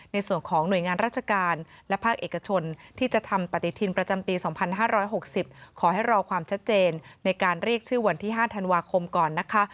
ในส่วนของหน่วยงานราชการและภาคเอกชนที่จะทำปฏิทินประจำปี๒๕๖๐ขอให้รอความชัดเจนในการเรียกชื่อวันที่๕ธันวาคมก่อนนะคะ